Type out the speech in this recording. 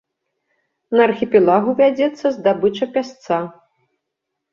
На архіпелагу вядзецца здабыча пясца.